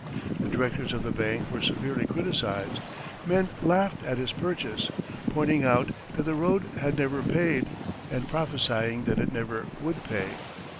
The directors of the bank were severely criticised; men laughed at his purchase, pointing out that the road had never paid, and prophesying that it never would pay.